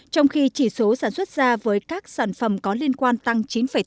trong khi chỉ số sản xuất da với các sản phẩm có liên quan tăng chín tám